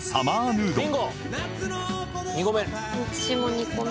２個目。